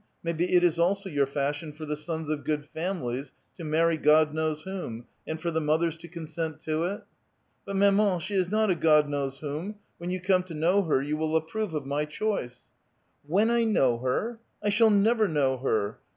Mavbe it is also your fashion for the sons of good lauiilies to marry God knows whom, and lor the mothers to consent to it ?"*' lUit, vKtvKui, she is not ' a (iod knows whom '; when you come to know her you will approve of m}' choice." '*' When I know her!* I sliall never know her!